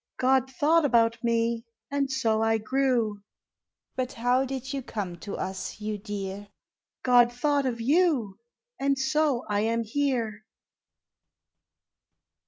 God thought about me, and so I grew. But how did you come to us, you dear? God thought of you, and so I am here.